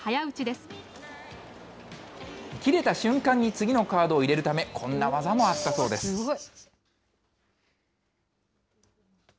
切れた瞬間に次のカードを入れるため、こんな技もあったそうすごい。